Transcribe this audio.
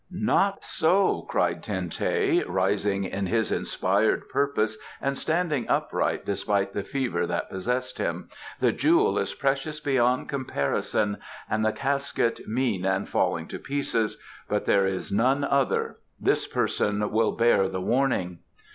"Not so!" cried Ten teh, rising in his inspired purpose and standing upright despite the fever that possessed him; "the jewel is precious beyond comparison and the casket mean and falling to pieces, but there is none other. This person will bear the warning."